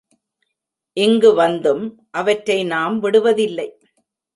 இங்கு வந்தும் அவற்றை நாம் விடுவதில்லை.